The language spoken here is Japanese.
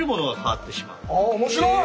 あっ面白い！